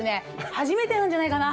初めてなんじゃないかな。